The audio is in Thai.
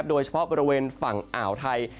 โดยเฉพาะบริเวณฝั่งอ่าวไทย